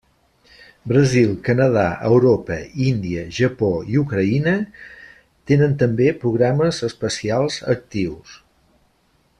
Brasil, Canadà, Europa, Índia, Japó i Ucraïna tenen també programes espacials actius.